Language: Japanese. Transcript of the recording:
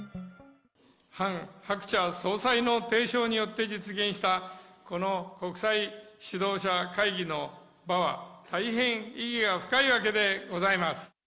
ハン・ハクチャ総裁の提唱によって実現した、この国際指導者会議の場は、大変意義が深いわけでございます。